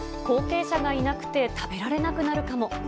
後継者がいなくて食べられなくなるかも。